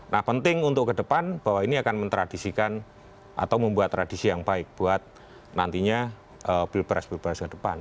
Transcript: nah penting untuk kedepan bahwa ini akan mentradisikan atau membuat tradisi yang baik buat nantinya pilpres pilpres kedepan